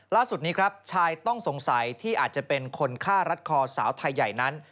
ล่าสุดนี้ครับชายต้องสงสัยที่อาจจะเป็นคนฆ่ารัดคอสาวไทยใหญ่นั้น